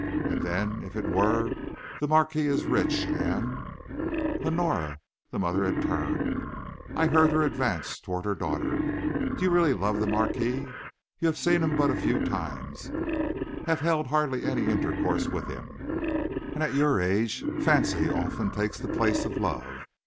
And then, if it were, the marquis is rich, and " "Honora!" the mother had turned. I heard her advance toward her daughter "do you really love the marquis? You have seen him but a few times, have held hardly any intercourse with him, and at your age fancy often takes the place of love.